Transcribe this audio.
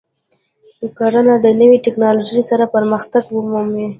کرنه د نوې تکنالوژۍ سره پرمختګ مومي.